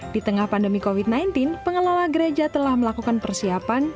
di tengah pandemi covid sembilan belas pengelola gereja telah melakukan persiapan